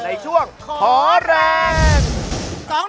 ในช่วงขอแรง